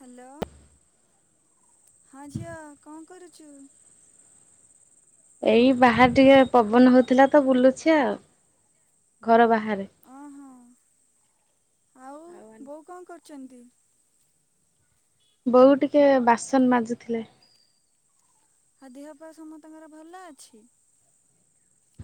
Hello ହଁ ଝିଅ କଣ କରୁଛୁ? ଏଇ ବାହାରେ ଟିକେ ପବନ ହଉଥିଲା ତ ବୁଲୁଛି ଆଉ ଘର ବାହାରେ ଓହୋ ଆଉ ବୋଉ କଣ କରୁଛନ୍ତି? ବୋଉ ଟିକେ ବାସନ ମାଜୁଥିଲେ ଆଉ ଦେହ ପା ସମସ୍ତଙ୍କର ଭଲ ଅଛି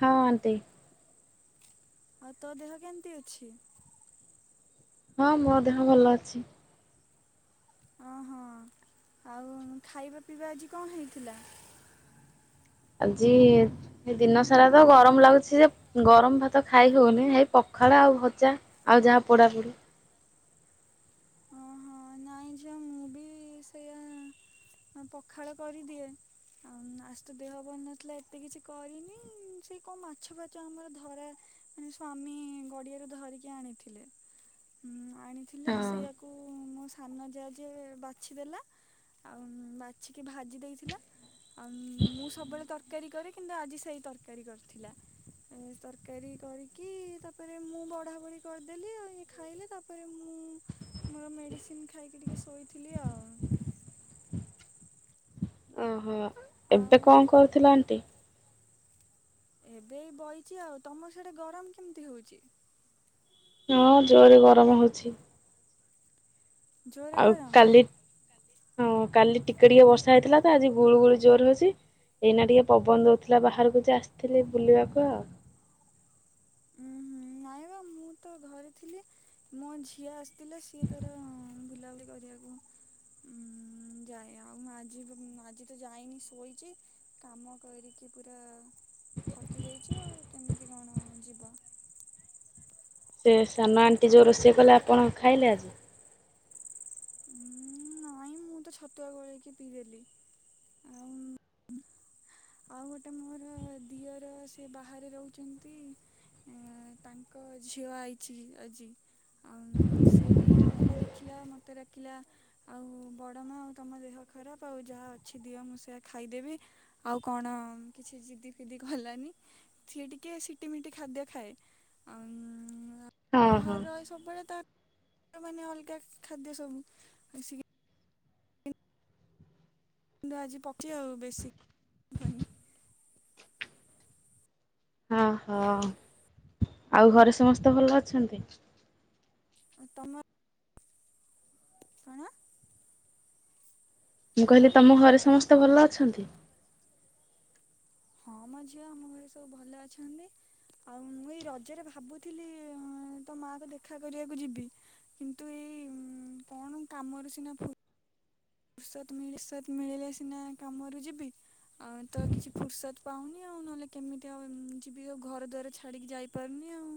ହଁ ଆଣ୍ଟି ଆଉ ତୋ ଦେହ କେମତି ଅଛି? ହଁ ମୋ ଦେହ ଭଲ ଅଛି। ଅଁ ହଁ ଆଉ ଖାଇବା ପିଇବା ଆଜି କଣ ହେଇଥିଲା? ଆଜି ଏଇ ଦିନ ସାରା ତ ଗରମ ଲାଗୁଛି ଯେ ଗରମ ଭାତ ଖାଇ ହଉନି ହେଇ ପଖାଳ ଆଉ ଭଜା ଆଉ ଯାହା ପୋଢାପୋଢି ଅଁ ହଁ ନାଇଁ ଝିଅ ମୁଁ ବି ସେଇଆ ଆ ପଖାଳ କରିଦିଏ ଆଉ ଆଜି ତ ଦେହ ଭଲ ନଥିଲା ଏତେ କିଛି କରିନି ସେ କଣ ମାଛ ଫାଚ ଆମର ଧରା ମାନେ ସ୍ଵାମୀ ଗଡିଆରୁ ଧରିକି ଆଣିଥିଲେ ଉ ଆଣିଥିଲେ ହଁ ସେଇଆକୁ ମୋ ସାନ ଯାଆ ଯେ ବାଛିଦେଲା ଆଉ ବାଛିକି ଭାଜି ଦେଇଥିଲା ଆଉ ମୁଁ ସବୁବେଳେ ତରକାରୀ କରେ କିନ୍ତୁ ଆଜି ସେଇ ତରକାରୀ କରିଥିଲା ଅସ୍ ତରକାରୀ କରିକି ତାପରେ ମୁଁ ବଢା ବଢି କରିଦେଲି ଆଉ ଇଏ ଖାଇଲେ ତାପରେ ତାପରେ ମୁଁ ମୋର ମେଡିସିନ ଖାଇକି ଟିକେ ଶୋଇଥିଲି ଆଉ ଓହୋ ଆଉ ଏବେ କଣ କରୁଥିଲ ଆଣ୍ଟି ଏବେ ଏଇ ବଇଛି ଆଉ ତମ ସେଠେ ଗରମ କେମିତି ହଉଛି ହଁ ଜୋରରେ ଗରମ ହଉଛି ଜୋରେ ଆଉ ଗରମ କାଲି ହଁ କାଲି ଟିକେ ଟିକେ ବର୍ଷା ହେଇଥିଲା ତ ଆଜି ଗୁଳୁ ଗୁଳି ଜୋର ହଉଛି ଏଇନା ଟିକେ ପବନ ଦଉଥିଲା ବାହାରକୁ ଯ ଆସିଥିଲି ବୁଲିବାକୁ ଆଉ ଉଁ ହୁଁ ନାଇଁ ବା ମୁଁ ତ ଘରେ ଥିଲି ମୋ ଝିଅ ଆସିି ଥିଲା ସିଏ ତାର ବୁଲାବୁଲି କରିବାକୁ ଉୁଁ ଯାଇ ଆଉ ମୁଁ ଆଜି ଆଜି ତ ଯାଇନି ଶୋଇଛି କାମ କରିକି ପୁରା ଥକି ଯାଇଛି ଆଉ କେମିତି କଣ ଯିବ ବା ସେ ସାନ ଆଣ୍ଟି ଯେଉଁ ରୋଷେଇ କଲେ ଆପଣ ଖାଇଲେ ଆଜି ଉଁ ନାଇଁ ମୁଁ ତ ଛତୁଆ ଗୋଳେଇକି ପିଇଦେଲି ଆଉ ଆଉ ଗୋଟେ ମୋର ଦିଅର ସେ ବାହାରେ ରହୁଛନ୍ତି। ତାଙ୍କ ଝିଅ ଆଇଛି ଆଜି। ଆଉ ସିଏ ବି କହିଲା ଦେଖିଲା ମତେ ଡାକିଲା ଆଉ ବଡ଼ମା ଆଉ ତମ ଦେହ ଖରାପ ଆଉ ଯାହା ଅଛି ଦିଅ ମୁଁ ସେୟା ଖାଇଦେବି ଆଉ କଣ କିଛି ଜିଦି ଫିଦି କଲାନି ସିଏ ଟିକେ ସିଟି ମିିଟି ଖାଦ୍ୟ ଖାଏ ଆ ହଁ ହଁ। ବାହାର ରଏ ସବୁବେଳେ ତ ମାନେ ଅଲଗା ଖାଦ୍ୟ ସବୁ [unintelligible] ହହୋ ଆଉ ଘରେ ସମସ୍ତେ ଭଲ ଅଛନ୍ତି? ଆଉ ତମର କଣ ମୁଁ କହିଲି ତମ ଘରେ ସମସ୍ତେ ଭଲ ଅଛନ୍ତି? ହଁ ମ ଝିଅ ଆମ ଘରେ ସବୁ ଭଲ ଅଛନ୍ତି। ଆଉ ମୁଁ ଏଇ ରଜରେ ଭାବୁଥିଲି ତୋ ମାଆକୁ ଦେଖା କରିବାକୁ ଯିବି କିନ୍ତୁ ଏଇ କଣ କାମରେ ସିନା ଫୁର୍ସତ ମିଳିସତ୍ମିଳିଲେ ସିନା କାମରେ ଯିବି। ଆଉ ତ କିଛି ଫୁର୍ସଦ ପାଉନି ଆଉ ନହେଲେ କେମିତି ଆଉ ଯିବି ଆଉ ଘର ଦ୍ୱାରରେ ଛାଡିକି ଯାଇ ପାରୁନି ଆଉ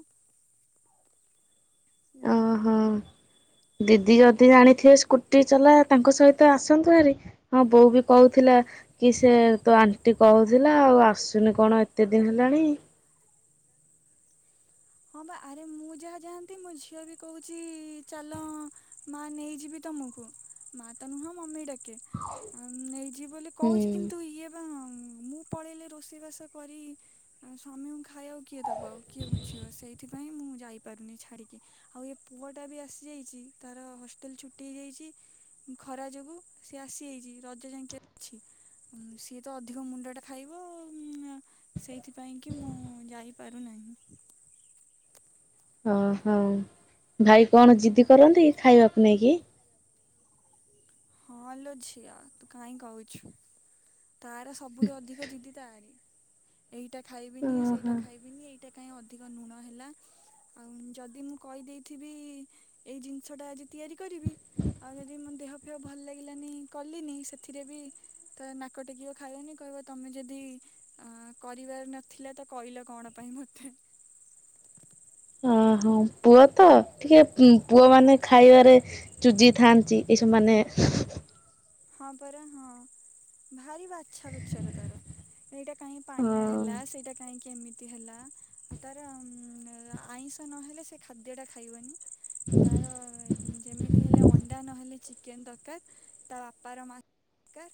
ଓହୋ [inaudible] ଦିଦି ଯଦି ଜାଣିଥିବେ ସ୍କୁଟି ଚଲା, ତାଙ୍କ ସହିତ ଆସନ୍ତୁ ଆରି ହଁ ବୋଉ ବି କହୁଥିଲା କି ସେ ତୋ ଆଣ୍ଟି କହୁଥିଲା ଆଉ ଆସୁନି କଣ ଏତେ ଦିନ ହେଲାଣି? ହଁ ବା ଆରେ ମୁଁ ଯାହା ଯାଆନ୍ତି ମୋ ଝିଅ ବି କହୁଛି ଚାଲ ଅ ମା ନେଇଯିବି ତମକୁ, ମା ତ ନୁହଁ ମମି ଡାକ ନେଇଯିବି ବୋଲି ହୁଁ କହୁଛି କିନ୍ତୁ ତୁ ଇଏ ବା ମୁଁ ପଳେଇଲେ ରୋଷେଇ ବାସ କରି ସ୍ୱାମୀଙ୍କୁ ଖାଇବାକୁ କିଏ ଦବ ଆଉ କିଏ ବୁଝିବ? ସେଇଥିପାଇଁ ମୁଁ ଯାଇପାରୁନି ଛାଡିକି ଆଉ ଏ ପୁଅ ଟା ବି ଆସି ଯାଇଛି, ତାର ହଷ୍ଟେଲ ଛୁଟି ହେଇଯାଇଛି। ଖରା ଯୋଗୁ, ସେ ଆସିଯାଇଛି ରଜ ଯାଇକି ଅଛି। ସିଏ ତ ଅଧିକ ମୁଣ୍ଡ ଟା ଖାଇବ ଅ ସେଇଥିପାଇଁ କି ମୁଁ ଯାଇପାରୁନାହିଁ। ଓହୋ, ଭାଇ କଣ ଜିଦି କରନ୍ତି ଖାଇବାକୁ ନେଇକି? ହଁ ଅ ଲୋ ଝିଅ ତୁ କାହିଁ କହୁଛୁ? ତାର ସବୁଠୁ ଅଧିକ ଜିଦି ତାରି ଏଇଟା ଖାଇବିନି ସେଇଟା ଓହୋ। ଖାଇବିନି ଏଇଟା କାହିଁ ଅଧିକ ଲୁଣ ହେଲା ଆଉ ଯଦି ମୁଁ କହିଦେଇଥିବି ଏଇ ଜିନିଷଟା ଆଜି ତିଆରି କରିବି ଆଉ ଯଦି ମୋ ଦେହ ଭଲ ଲାଗିଲାନି କଲିନି, ସେଥିରେ ବି ତ ନାକ ଟେକିବ ଖାଉନି କହିବ ତମେ ଯଦି ଅ କରିବାର ନଥିଲା ତ କହିଲ କଣ ପାଇଁ ମତେ ଓହୋ, ପୁଅ ତ? ଟିକେ ପୁଅ ମାନେ ଖାଇବାରେ ଚୁଜି ଥାଆନ୍ତି ଏଇସବୁ ମାନେ ହଁ ପରା ହଁ। ଭାରି ବାଛା ବିଚାର ତାର, ଏଇଟା କାହିଁ ପାଣିଆ ହେଲା ସେଇଟା କାହିଁକି? କେମିତି ହେଲା ଆ ତାର ଆଇଁଷ ନହେଲେ ସେ ଖାଦ୍ୟଟା ଖାଇବନି। ତାର ଯେମିତି ହେଲେ ଅଣ୍ଡା ନହେଲେ ଚିକେନ ଦରକାର ତା ପାର ମାକାର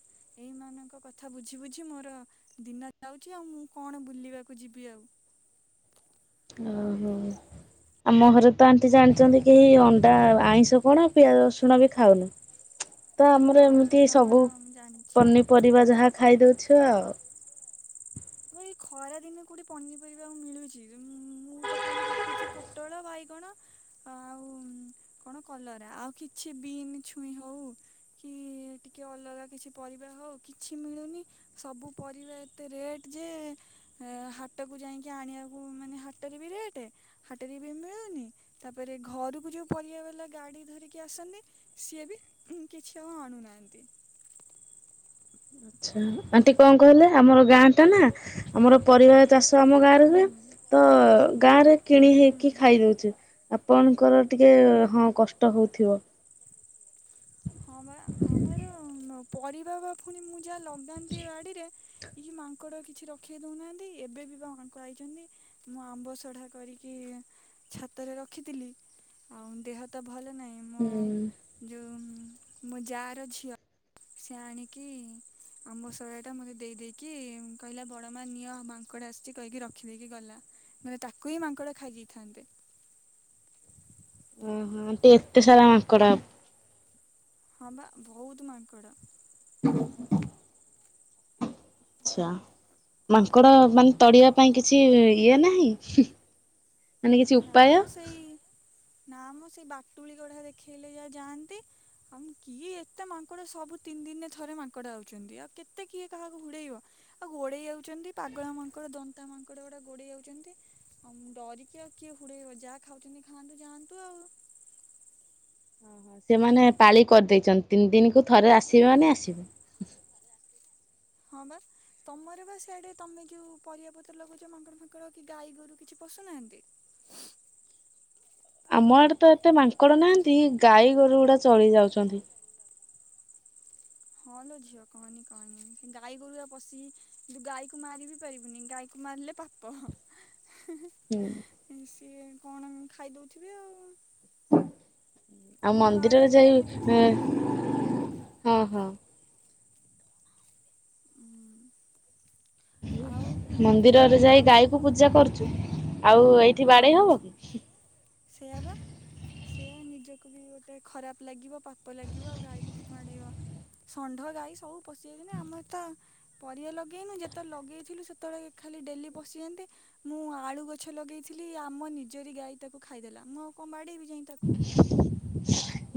ଏଇମାନଙ୍କ କଥା ବୁଝି ବୁଝି ମୋର ଦିନ ଯାଉଛି ଆଉ ମୁଁ କଣ ବୁଲିବାକୁ ଯିବି ଆଉ ହ ହୋ ଆମ ଘରେ ତ ଆଣ୍ଟି ଜାଣିଛନ୍ତି କି ଅଣ୍ଡା ଆଇଁଷ କଣ ପିଆ ରସୁଣ ବି ଖାଉନୁ। ନ ବି ଖାଇ [unintelligible] ତ ଆମର ଏମିତି ସବୁ ପନିପରିବା ଯାହା ଖାଇଦଉଛ ଆଉ ହ। [unintelligible] ମୁଁ ଏଇ ଖରାଦିନେ କୋଉଠି ପନିପରିବା ଆଉ ମିଳୁଛି ମୁଁ ତ ଖାଲି ଦେଖୁଛି ପୋଟଳ ବାଇଗଣ। ଅ ଆଉ କଣ କଲରା ଆଉ କିଛି ବି ଛୁଇଁ ହଉ। କି ଟିକେ ଅଲଗା କିଛି ପରିବା ହଉ କିଛି ମିଳୁନି। ସବୁ ପରିବା ଏତେ ରେଟ ଯେ ଏ ହାଟକୁ ଯାଇକି ଆଣିବାକୁ ମାନେ ହାଟରେ ବି ରେଟ ହାଟେରେ ବି ମିଳୁନି ତାପରେ ଘରୁକୁ ଯଉ ପରିବା ବାଲା ଗାଡି ଧରିକି ଆସନ୍ତି ସିଏ ବି ହୁଁ- କିଛି ଆଉ ଆଣୁନାହାଁନ୍ତି। ଆଛା ଆଣ୍ଟି କଣ କହିଲେ ଆମର ଗାଁ ଟା ନା ଆମର ପରିବା ଚାଷ ତ ଆମ ଗାଁରେ ହୁଏ ହୁଁ ତ ଗାଁରେ କିଣି ହୁଁ। ହେଇକି ଖାଇଦଉଚୁ ଆପଣଙ୍କର ଟିକେ ହଁ କଷ୍ଟ ହଉଥିବ। ହଁ ବା ଆମର ପରିବା ବା ଫୁଣି ମୁଁ ଯାହା ଲଗାନ୍ତି ବାଡିରେ ଇଏ ମାଙ୍କଡ କିଛି ରଖେଇ ଦଉନାହାନ୍ତି ଏବେ ବି ବା ମାଙ୍କଡ ଆଇଚନ୍ତି। ମୁଁ ଆମ୍ବ ସଢା କରିକି ଛାତରେ ରଖିଥିଲି ଆଉ ଦେହ ତ ଭଲ ନାହିଁ ମ ହୁଁ ଯଉ ଉଁ- ମୋ ଯା ର ଝିଅ ସେ ଆଣିକି ଆମ୍ବ ସରା ଟା ମୋତେ ଦେଇ ଦେଇକି କହିଲା ବଡ ମା ନିଅ ମାଙ୍କ ଙ୍କଡ ଆସିଚି କହିକି ରଖିଦେଇକି ଗଲା ନହେଲେ ତାକୁ ହିଁ ମାଙ୍କଡ ଖାଇଯାଇଥାନ୍ତେ। ଓହୋ ଆଣ୍ଟି ଏତେ ସାରା ମାଙ୍କଡ ଆ ହଁ ବା ବହୁତ୍ ମାଙ୍କଡ। [inaudible] ଆଚ୍ଛା। ମାଙ୍କଡ ମାନେ ତଡିବା ପାଇଁ କିଛି ଇଏ ନାହିଁ। ମାନେ କିଛି ଉପାୟ? ନାଇଁ ମ ସେଇ ନା ମ ସେଇ ବାଟୁଳି ଗୁଢା ଦେଖେଇଲେ ଯାହା ଯାଆନ୍ତି। ଆମ୍- କିଏ ଏତେ ମାଙ୍କଡ ସବୁ ତିନି ଦିନରେ ଥରେ ମାଙ୍କଡ ଆଉଚନ୍ତି ଆଉ କେତେ କିଏ କାହାକୁ ଘୁଡେଇବ। ଆଉ ଗୋଡେଇ ଆଉଚନ୍ତି ପାଗଳା ମାଙ୍କଡ ଦନ୍ତା ମାଙ୍କଡ ଗୁଡା ଗୋଡେଇ ଆଉଚନ୍ତି ଆଉମ୍ ଡରି କିଏ ଆଉ କିଏ ହୁଡେଇବ ଯାହା ଖାଉଚନ୍ତି ଖାଆନ୍ତୁ ଯାଆନ୍ତୁ ଆଉ। ସେମାନେ ପାଳି କରିଦେଇଚନ୍ତି ତିନି ଦିନକୁୁ ଥରେ ଆସିବେ ମାନେ ଆସିବେ। ହଁ ବା। ତମର ବା ସିଆଡେ ତମେ ଯଉ ପରିବାପତ୍ର ଲଗଉଚ ମାଙ୍କଡ ଫାଙ୍କଡ କି ଗାଈ ଗୋରୁ କିଛି ପଶୁନାହାନ୍ତି? ଆମ ଆଡେ ତ ଏତେ ମାଙ୍କଡ଼ ନାହାନ୍ତି ଗାଈ ଗୋରୁ ଗୁଡା ଚଳି ଯାଉଚନ୍ତି। ହଁ ଲୋ ଝିଅ କହନି କହନି ଗାଈ ଗୋରୁ ଯା ପଶିି ଗାଈକୁ ମାରି ବି ପାରିବୁନି ଗାଈକୁ ମାରିଲେ ପାପ୍ ପ -ହେଁ -ହେଁ। ହୁଁ। ହିଁ ସିଏ କଣ ଖାଇ ଦଉଥିବେ ଆଉ। ଆଉ ବାଡ଼ ମନ୍ଦିରରେ ଫାଡ଼ ଯାଇ ବୁଜିଥିବ ନା? ଉଁ- ହଁ -ହଁ। ଆଉ ମନ୍ଦିରରେ ଯାଇ ଆଉ ଗାଈ ସବୁ କୁ କଣ? ପୂଜା କରୁଚୁ ଆଉ ଏଇ ହଁ -ହଁ ସେଇଆ ବା। ସେୟା ନିଜକୁ ବି ଗୋଟେ ଖରାପ୍ ଲାଗିବ ପାପ ଲାଗିବ ଆଉ ଗାଈକୁ ବାଡ଼େଇବ ଷଣ୍ଢ ଗାଈ ସବୁ ପଶିଯାଉଚନ୍ତି ଆମର ତ ପରିବା ଲଗେଇନୁ ଯେତେବେଳେ ଲଗେଇଥିଲୁ ସେତେବେଳେ ଖାଲି ଡେଲି ପଶିଯାଆନ୍ତି। ମୁଁ ଆଳୁ ଗଛ ଲଗେଇଥିଲି ଆମ ନିଜରି ଗାଈ ତାକୁ ଖାଇଦେଲା ମୁଁ ଆଉ କଣ ବାଡ଼େଇବି ଯାଇଁ ତାକୁ।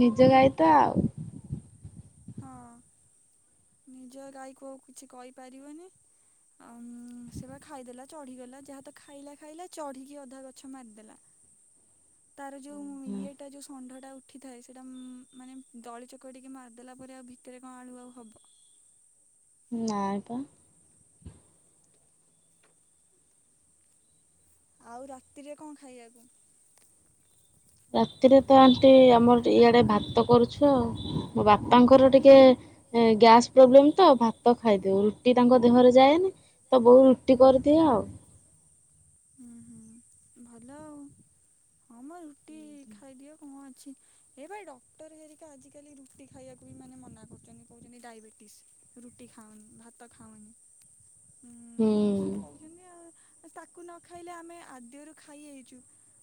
ନିଜ ଗାଈ ତ ଆଉ। ହଁ ନିଜ ଗାଈକୁ କିଛି କହିପାରିବନି। ଆମ୍ -ସେ ବା ଖାଇଦେଲା ଚଢ଼ିଗଲା ଯାହା ତ ଖାଇଲା ଖାଇଲା ଚଢ଼ିକି ଅଧା ଗଛ ମାରିଦେଲା। ତାର ଯଉ ଇଏଟା ଯଉ ଷଣ୍ଢ ଟା ଉଁ ଉଠିଥାଏ ସେଟା ମ୍- ମାନେ ଦଳି ଚକଟି କି ମାରିଦେଲା ପରେ ଆଉ ଭିତରେ କଣ ଆଳୁ ଆଉ ହବ? ନାଁଇ ପା। ଆଉ ରାତିରେ କଣ ଖାଇବାକୁ? ରାତିରେ ତ ଆଣ୍ଟି ଆମର ଇଆଡେ ଭାତ କରୁଚୁ ଆଉ ମୋ ବାପାଙ୍କର ଟିକେ ଏ ଗ୍ୟାସ୍ ପ୍ରୋବ୍ଲେମ୍ ତ ଭାତ ଖାଇଦଉ ରୁଟି ତାଙ୍କ ଦେହରେ ଯାଏନି। ତୋ ବୋଉ ରୁଟି ହୁଁ। କରିଦିଏ ଆଉ। ହୁଁ ହୁଁ ଭଲ ଆଉ ହଁ ମୋ ରୁଟି ଖାଇଦିଅ କଣ ଅଛି। ହେଇପା ଏଡକ୍ଟର ହେରିକା ଆଜିିକାଲି ରୁଟି ଖାଇବାକୁବି ମାନେ ମନା କରୁଚନ୍ତି କହୁଚନ୍ତି ଡାଇବେଟିସ ରୁଟି ଖାଉନି ଭାତ ଖାଉନି ଉ ହୁଁ ଏମିତି ସବୁ କହୁଚନ୍ତି ତା ତାକୁ ନଖାଇଲେ ଆମେ ଆଦ୍ୟରୁ ଖାଇଆଇଚୁ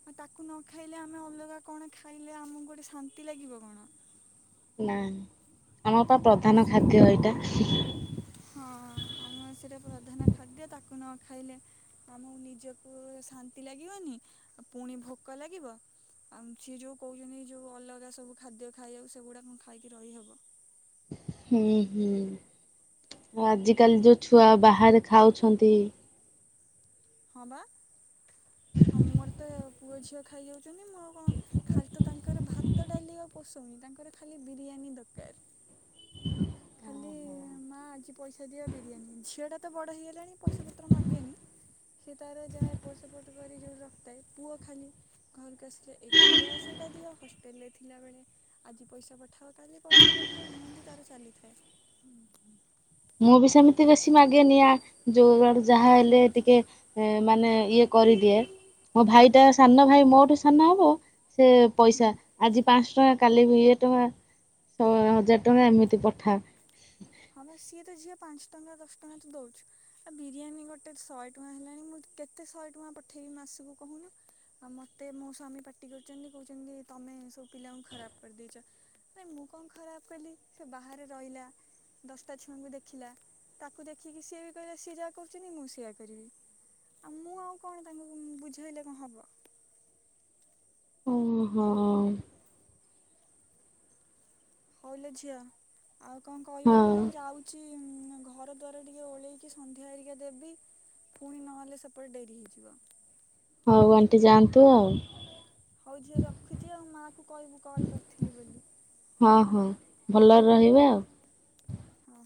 ଆଉ ତାକୁ ନଖାଇଲେ ଆମେ ଅଲଗା କଣ ଖାଇଲେ ଆମକୁ ଗୋଟେ ଶାନ୍ତି ଲାଗିବ କଣ ନା ଆମରପା ପ୍ରଧାନ ଖାଦ୍ୟ ଏଇଟା। ହଁ ଆମର ସେଟା ପ୍ରଧାନ ଖାଦ୍ୟ ତାକୁ ନଖାଇଲେ ଆମ ନିଜକୁ ଶାନ୍ତି ଲାଗିବନି ଆଉ ପୁଣି ଭୋକ ଲାଗିବ ଆଉ ସିଏ ଯେଉଁ କହୁଛନ୍ତି ଯେଉଁ ଅଲଗା ସବୁ ଖାଦ୍ୟ ଖାଇବାକୁ ସେଗୁଡ଼ାକ ଖାଇକି ରହିହବ। ହୁଁ ହୁଁ ଆଜିକାଲି ଯୋଉ ଛୁଆ ବାହାରେ ଖାଉଛନ୍ତି। ହଁବା ହଁ ମୋରତ ପୁଅ ଝିଅ ଖାଇଯାଉଛନ୍ତି ମୁଆଉ ‌କଣ ଖାଲିତ ତାଙ୍କର ଭାତ ଡାଲି ଆଉ ପୋଷୁଣୀ ତାଙ୍କର ଖାଲି ବିରିୟାନୀ ଦରକାର। ଖାଲି ମା ଆଜି ପଇସା ଦିଅ ବିରିୟାନୀ ଝିଅଟାତ ବଡ଼ ହେଇଗଲାଣି ପଇସା ପତ୍ର ମାଗେନି ସେ ତାର ଯାହାଏପଟ ସେପଟ କରି ଯୋଉ ରଖିଥାଏ ପୁଅ ଖାଲି ଘରକୁ ଆସିଲେ ଏଇଟା ଦିଅ ସେଇଟା ଦିଅ ହଷ୍ଟେଲରେ ଥିଲାବେଳେ ଆଜି ପଇସା ପଠାଅ କାଲି ପଇସା ପଠାଅ ଏମତି ତାର ଚାଲିଥାଏ। ମୁଁ ବି ସେମିତି ବେଶୀ ମାଗେନିିଆଁ ଯୋଉ ଆଡ଼ୁ ଯାହା ହେଲେ ଟିକେ ଏ ମାନେ ଇଏ କରିଦିଏ ମୋ ଭାଇଟା ସାନ ଭାଇ ମୋଠୁ ସାନ ହବ ସେ ହୁଁ। ପଇସା ଆଜି ପାଞ୍ଚ ଟଙ୍କା କାଲି ଇଏ ଟଙ୍କା ହଜାର ଟଙ୍କା ଏମିତି ପଠାଅ ହଁବା ସିଏତ ଝିଅ ପାଞ୍ଚ ଟଙ୍କା ଦଶ ଟଙ୍କାତୁ ଦ‌ଉଛୁ ଆ ବିରିୟାନୀ ଗୋଟେ ଶହେ ଟଙ୍କା ହେଲାଣି ମୁଁ କେତେ ଶହେ ଟଙ୍କା ପଠେଇବି ମାସକୁ କହୁନୁ। ଆଉ ମତେ ମୋ ସ୍ୱାମୀ ପାଟି କରୁଚନ୍ତି କହୁଚନ୍ତି ତମେ ସବୁ ପିଲାଙ୍କୁ ଖରାପ୍ କରିଦେଇଛ। ଆରେ ମୁଁ କଣ ଖରାପ୍ କଲି ସେବାହାରେ ରହିଲା ଦଶଟା ଛୁଆଙ୍କୁ ଦେଖିଲା ତାକୁ ଦେଖିକି ସିଏବି କହିଲା ସିଏ ଯାହା କରୁଚନ୍ତି ମୁଁ ସେଇଆ କରିବି। ଆଉ ମୁଁ ଆଉ କଣ ତାଙ୍କୁ ବୁଝେଇଲେ କଣ ହବ। ଉଁ ହଁ। ହଉଲୋ ଝିଅ ଆଉ କଣ ହଁ କହିବୁ ମୁଁ ଯାଉଚି ଘର ଦ୍ଵାର ଟିକେ ଓଳେଇକି ସନ୍ଧ୍ୟା ହେରିକା ଦେବି ଫୁଣି ନହେଲେ ସେପଟେ ଡେରି ହେଇଯିବ। ହଉ ଆଣ୍ଟି ଯାଆନ୍ତୁ ଆଉ। ହଉ ଝିଅ ରଖୁଛି ଆଉ ମାକୁ କହିବୁ କଲ୍ କରିଥିଲି ବୋଲି? ହଁ ହଁ ଭଲରେ ରହିବେ ଆଉ। ହଁ।